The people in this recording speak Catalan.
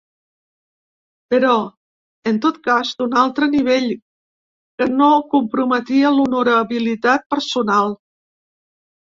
Però, en tot cas, d’un altre nivell, que no comprometia l’honorabilitat personal.